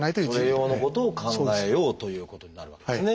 それ用のことを考えようということになるわけですね。